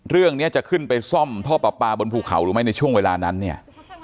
เรื่องนี้จะขึ้นไปซ่อมท่อปลาปลาบนภูเขาหรือไม่ในช่วงเวลานั้นเนี่ย